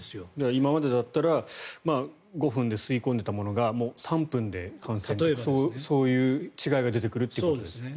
今までだったら５分で吸い込んでいたものがもう３分で感染とそういう違いが出てくるってことですね。